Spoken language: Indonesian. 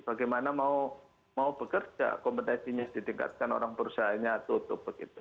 bagaimana mau bekerja kompetensinya ditingkatkan orang perusahaannya tutup begitu